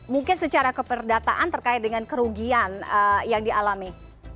mungkin secara keperdataan terkait dengan kerugian yang dialami